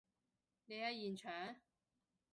你喺現場？